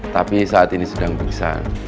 tapi saat ini sedang beriksa